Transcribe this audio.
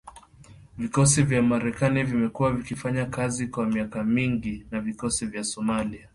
Vikosi vya Marekani vimekuwa vikifanya kazi kwa miaka mingi na vikosi vya Somalia.